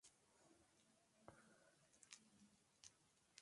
La palabra eutrofización deriva del griego, que significa bien nutrido.